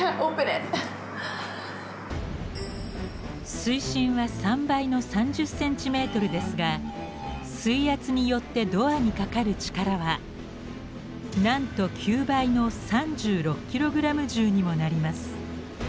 水深は３倍の３０ｃｍですが水圧によってドアにかかる力はなんと９倍の３６ｋｇ重にもなります。